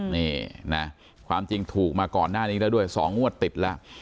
นี่นะความจริงถูกมาก่อนหน้านี้แล้วด้วย๒งวดติดแล้ว